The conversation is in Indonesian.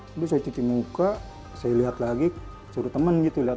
lalu saya cuci muka saya lihat lagi suruh temen gitu